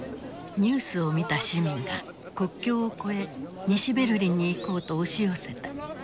ニュースを見た市民が国境を越え西ベルリンに行こうと押し寄せた。